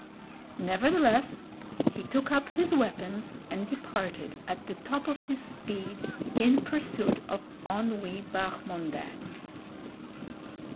Nevertheless, he took up his weapons and departed at the top of his speed in pursuit of Onwee Bahmondang.